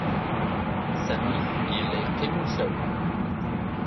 Sami yella yeqqim usawen.